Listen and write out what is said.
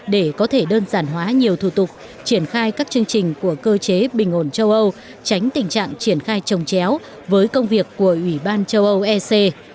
để có thể đơn giản hóa nhiều thủ tục triển khai các chương trình của cơ chế bình ổn châu âu tránh tình trạng triển khai trồng chéo với công việc của ủy ban châu âu ec